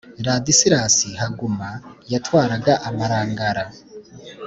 Ladislasi Haguma yatwaraga Amarangara.